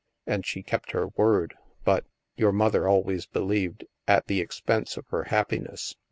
And she kept her word but, your mother always believed, at the expense of her happiness.